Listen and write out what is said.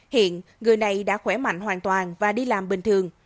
hiện người này đã khỏe mạnh hoàn toàn và đi làm bình thường